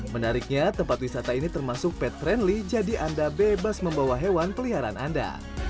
menariknya tempat wisata ini termasuk pad friendly jadi anda bebas membawa hewan peliharaan anda